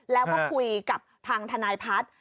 แล้วก็คุยกับทางทนายพัฒน์